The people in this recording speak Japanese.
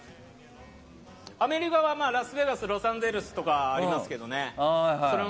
アメリカはラスベガスロサンゼルスとかありますけど。